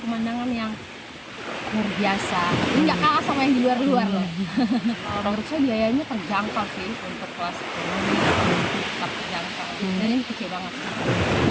enggak kalah sama yang di luar luar loh kalau berusia biayanya terjangkau sih untuk kelas